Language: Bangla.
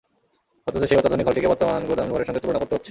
অথচ সেই অত্যাধুনিক হলটিকে বর্তমান গুদাম ঘরের সঙ্গে তুলনা করতে হচ্ছে।